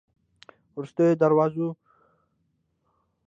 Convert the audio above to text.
وروستيو دووزرو کلونو کې هېڅ مهم نبات اهلي شوی نه دي.